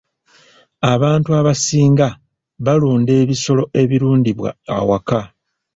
Abantu abasinga balunda ebisolo ebirundibwa awaka.